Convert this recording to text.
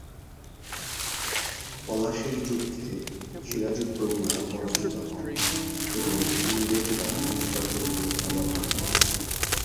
পলাশীর যুদ্ধে সিরাজউদ্দৌলা পরাজিত হন এবং ইংরেজরা মীর জাফরকে নবাব বানান।